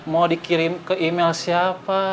mau dikirim ke email siapa